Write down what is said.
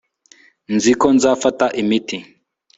nzi ko nzafata imiti